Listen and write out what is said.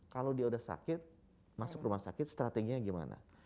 kalau dia udah sakit masuk rumah sakit strateginya gimana